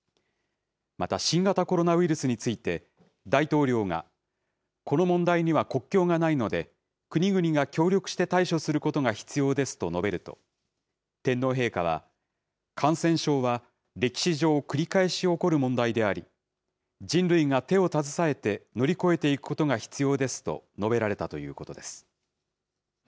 また、新型コロナウイルスについて、大統領が、この問題には国境がないので、国々が協力して対処することが必要ですと述べると、天皇陛下は、感染症は歴史上繰り返し起こる問題であり、人類が手を携えて、乗り越えていくことが必要ですと述べられたということです。